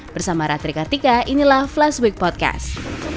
bersama ratrika tika inilah flashweek podcast